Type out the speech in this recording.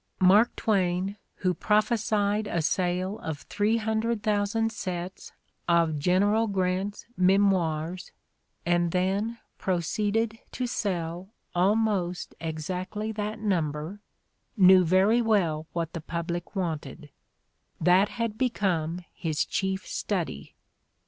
Mark Twain, who prophesied a sale of 300,000 sets of General Grant 'd "Memoirs" and then proceeded to sell almost exactly that number, knew very well what the public wanted: that had become his chief study.